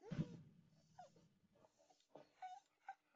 出口为横琴北。